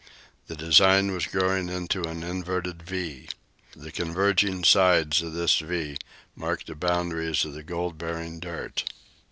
The design was growing into an inverted "V." The converging sides of this "V" marked the boundaries of the gold bearing dirt.